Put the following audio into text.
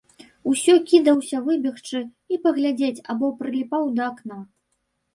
Усё кідаўся выбегчы і паглядзець або прыліпаў да акна.